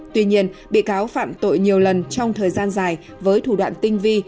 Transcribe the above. tuy nhiên bị cáo phạm tội nhiều lần trong thời gian dài với thủ đoạn tinh vi